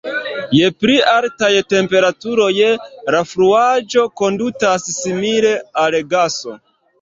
Je pli altaj temperaturoj, la fluaĵo kondutas simile al gaso.